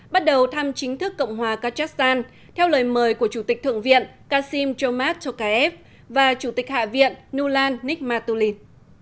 bắt đầu thăm chính thức cộng hòa kazakhstan theo lời mời của chủ tịch thượng viện kasim chomak tokayev và chủ tịch hạ viện nulan nikmatulid